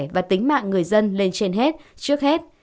và tính mạng người dân lên trên hết trước hết